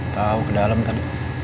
tau ke dalem tadi